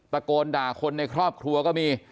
ตะโกนด่าคนในครอบครัวก็มี